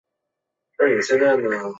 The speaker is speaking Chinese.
父亲杨美益官至太仆寺少卿。